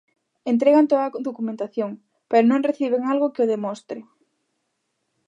Entregan toda a documentación, pero non reciben algo que o demostre.